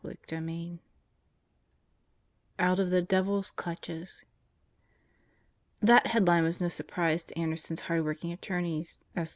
CHAPTER ELEVEN Out of the Devil's Clutches THAT headline was no surprise to Anderson's hard working attorneys: S.